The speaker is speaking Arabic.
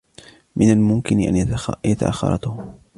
من الممكن أن يتأخر توم.